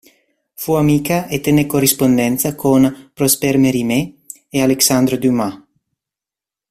Fu amica e tenne corrispondenza con Prosper Mérimée e Alexandre Dumas.